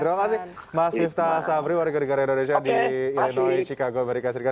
terima kasih mas miftah sabri warga negara indonesia di illinois chicago amerika serikat